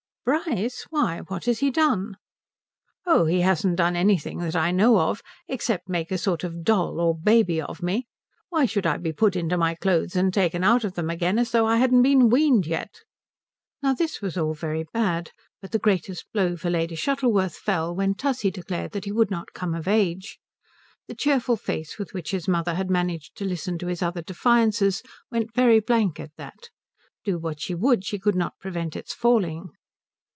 "Bryce? Why, what has he done?" "Oh he hasn't done anything that I know of, except make a sort of doll or baby of me. Why should I be put into my clothes and taken out of them again as though I hadn't been weaned yet?" Now all this was very bad, but the greatest blow for Lady Shuttleworth fell when Tussie declared that he would not come of age. The cheerful face with which his mother had managed to listen to his other defiances went very blank at that; do what she would she could not prevent its falling.